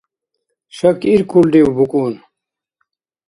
Шакиркурлив, букӀун?